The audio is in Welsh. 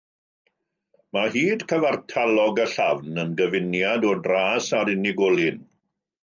Mae hyd cyfartalog y llafn yn gyfuniad o dras a'r unigolyn.